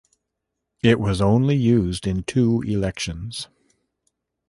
It was only used in two elections.